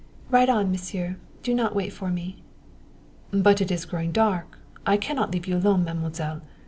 "Ride on, Monsieur; do not wait for me." "But it is growing dark I can not leave you alone, Mademoiselle.